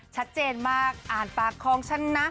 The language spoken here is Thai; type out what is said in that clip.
ชัดเจนมากอ่านปากของฉันนะ